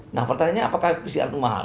nah pertanyaannya apakah pcr itu mahal